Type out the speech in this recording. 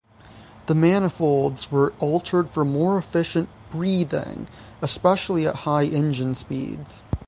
The manifolds were altered for more efficient 'breathing', especially at high engine speeds.